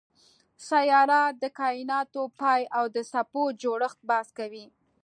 سیارات د کایناتو پای او د څپو جوړښت بحث کوي.